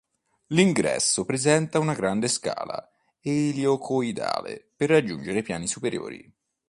L'ingresso presenta una grande scala elicoidale per raggiungere i piani superiori.